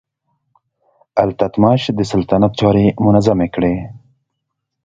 التتمش د سلطنت چارې منظمې کړې.